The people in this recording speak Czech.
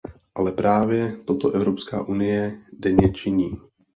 Ale právě toto Evropská unie denně činí.